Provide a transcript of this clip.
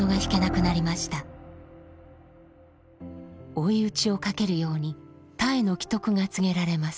追い打ちをかけるようにたえの危篤が告げられます